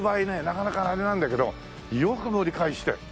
なかなかあれなんだけどよく盛り返して。